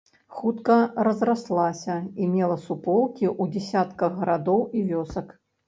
Хутка разраслася і мела суполкі ў дзясятках гарадоў і вёсак.